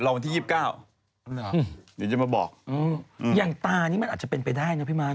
ลองที่ยิบเก้านี่จะมาบอกอืมอย่างตานี้มันอาจจะเป็นไปได้เนอะพี่มาน